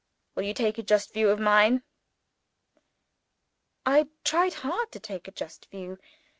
Will you take a just view of mine?" I tried hard to take a just view.